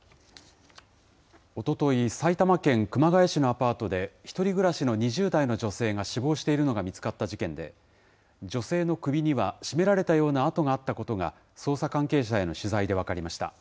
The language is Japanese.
おととい、埼玉県熊谷市のアパートで、１人暮らしの２０代の女性が死亡しているのが見つかった事件で、女性の首には絞められたような痕があったことが、捜査関係者への取材で分かりました。